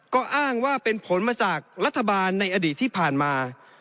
ก็อ้างว่าเป็นผลมาจากรัฐบาลในอดีตที่ผ่านมา